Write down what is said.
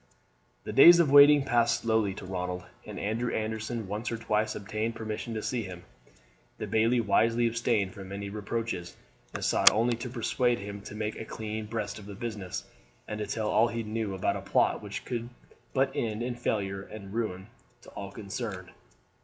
The days of waiting passed slowly to Ronald, and Andrew Anderson once or twice obtained permission to see him. The bailie wisely abstained from any reproaches, and sought only to persuade him to make a clean breast of the business, and to tell all he knew about a plot which could but end in failure and ruin to all concerned.